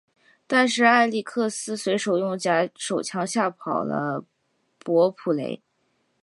但是艾力克斯随后用假手枪吓跑了伯普雷。